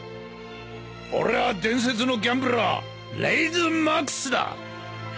俺は伝説のギャンブラーレイズ・マックスだ！